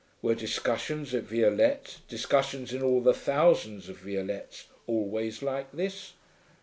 Were discussions at Violette, discussions in all the thousands of Violettes, always like this?